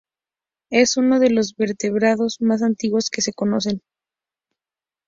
Es uno de los vertebrados más antiguos que se conocen.